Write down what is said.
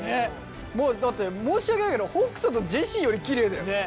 もうだって申し訳ないけど北斗とジェシーよりきれいだよ。ね。